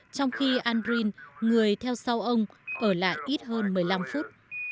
trong khi andren người theo sau ông ở lại ít hơn một mươi năm phút